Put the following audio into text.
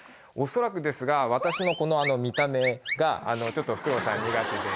恐らくですが、私のこの見た目がちょっとフクロウさん、苦手で。